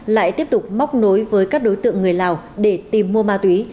lại tiếp tục móc nối với các đối tượng người lào để tìm mua ma túy